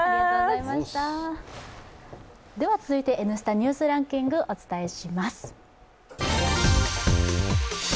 続いて「Ｎスタ・ニュースランキング」お伝えします。